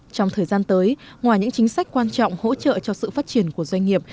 trong thời gian tới ngoài những chính sách quan trọng hỗ trợ cho sự phát triển của doanh nghiệp